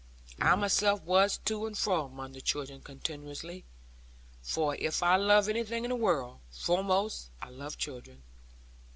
I myself was to and fro among the children continually; for if I love anything in the world, foremost I love children.